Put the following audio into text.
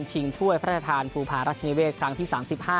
ชิงถ้วยพระธรรษฐานภูพารัชนาเวทย์ครั้งที่๓๕